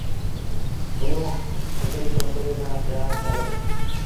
پنهون هڪڙيٚ ڇوڪريٚ سآݩ پيٚآر ڪريٚ دو۔